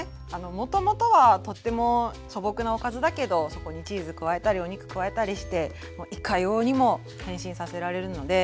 もともとはとっても素朴なおかずだけどそこにチーズ加えたりお肉加えたりしてもういかようにも変身させられるので。